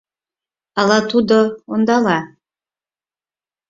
— Ала тудо ондала?